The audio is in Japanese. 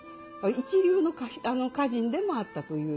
一流の歌人でもあったという。